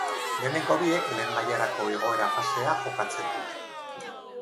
Lehenengo biek Lehen mailarako igoera fasea jokatzen dute.